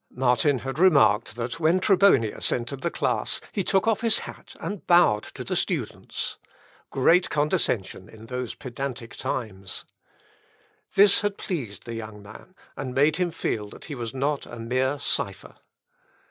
Martin had remarked, that when Trebonius entered the class, he took off his hat, and bowed to the students; great condescension in those pedantic times! This had pleased the young man, and made him feel that he was not a mere cipher.